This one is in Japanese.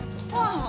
ああ。